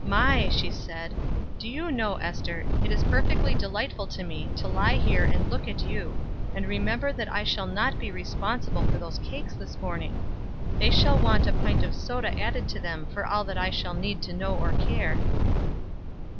"My!" she said. "Do you know, Ester, it is perfectly delightful to me to lie here and look at you, and remember that I shall not be responsible for those cakes this morning? They shall want a pint of soda added to them for all that I shall need to know or care."